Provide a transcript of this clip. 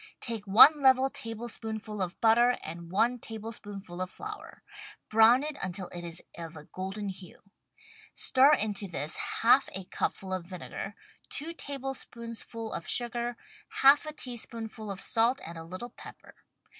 Take one level tablespoonful of butter, and one table spoonful of flour. Brown it until it is of a golden hue. Stir into this half a cupful of vinegar, two tablespoonsful of sugar, half a teaspoonful of salt and a little pepper.